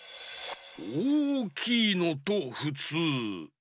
おおきいのとふつう。